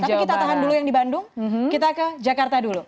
tapi kita tahan dulu yang di bandung kita ke jakarta dulu